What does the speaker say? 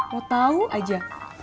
mau tau aja